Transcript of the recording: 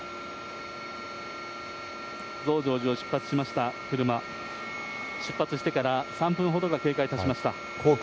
増上寺を出発しました車、出発してから３分ほどが経過しました。